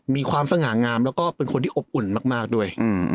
สง่างามแล้วก็เป็นคนที่อบอุ่นมากด้วย